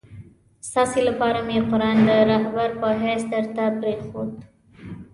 ستاسي لپاره مي قرآن د رهبر په حیث درته پرېښود.